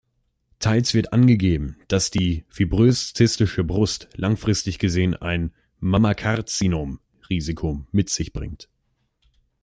Teils wird angegeben, dass die fibrös-zystische Brust langfristig gesehen ein Mammakarzinom-Risiko mit sich bringt.